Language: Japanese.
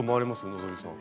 希さん。